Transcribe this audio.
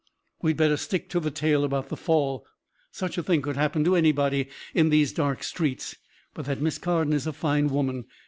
"We'd better stick to the tale about the fall. Such a thing could happen to anybody in these dark streets. But that Miss Carden is a fine woman.